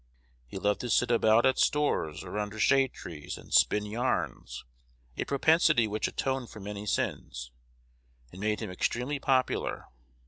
He loved to sit about at "stores," or under shade trees, and "spin yarns," a propensity which atoned for many sins, and made him extremely popular.